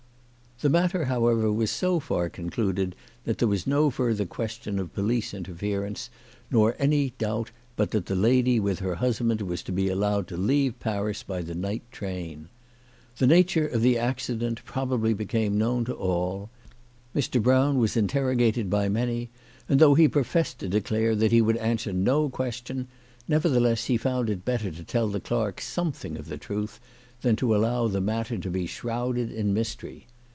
The matter, however, was so far concluded that there was no further question of police interference, nor any doubt but that the lady with her husband was to be allowed to leave Paris by the night train. The nature of the accident probably became known to all. Mr. Brown was interrogated by many, and though he professed to declare that he would answer no ques CHRISTMAS AT THOMPSON HALL. 245 tion, nevertheless he found it better to tell the clerk something of the truth than to allow the matter to be shrouded in mystery.